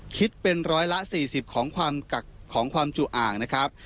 คิดเป็นร้อยละ๔๐ของความจุอ่างนะครับ